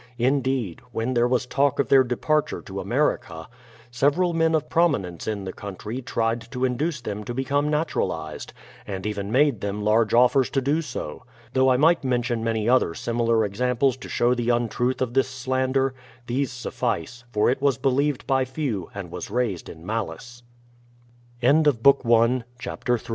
In deed, when there was talk of their departure to America, several men of prominence in the country tried to induce them to become naturalized, and even made them large offers to do so. Though I might mention many other similar examples to show the untruth of this slander, these suffice, for it was believed by